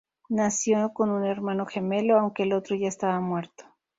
Nació con un hermano gemelo, aunque el otro ya estaba muerto.